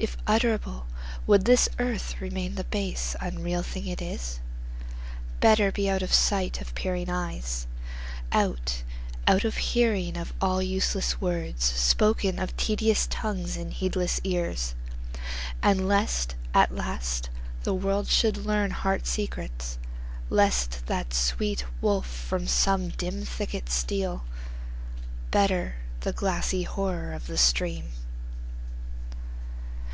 if utterable, would this earth Remain the base, unreal thing it is? Better be out of sight of peering eyes; Out out of hearing of all useless words, Spoken of tedious tongues in heedless ears. And lest, at last, the world should learn heart secrets; Lest that sweet wolf from some dim thicket steal; Better the glassy horror of the stream.